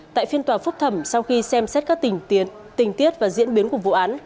tại phiên tòa phúc thẩm sau khi xem xét các tình tiết và diễn biến của vụ án